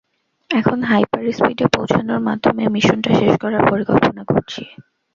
এখন, হাইপার-স্পিডে পৌঁছানোর মাধ্যমে মিশনটা শেষ করার পরিকল্পনা করছি।